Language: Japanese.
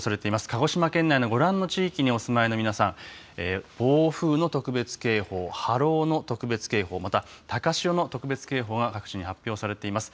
鹿児島県内のご覧の地域にお住まいの皆さん、暴風の特別警報、波浪の特別警報、また高潮の特別警報が各地に発表されています。